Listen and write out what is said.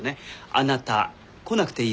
「あなた来なくていいわ」